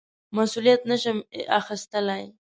مسوولیت نه شم اخیستلای.